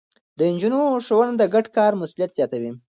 د نجونو ښوونه د ګډ کار مسووليت زياتوي.